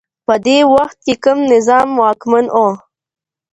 په دې وخت کي کوم نظام واکمن و؟